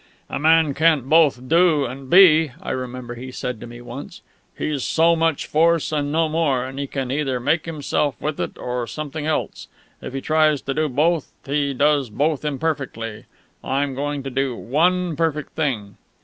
"A man can't both do and be," I remember he said to me once. "He's so much force, no more, and he can either make himself with it or something else. If he tries to do both, he does both imperfectly. I'm going to do one perfect thing."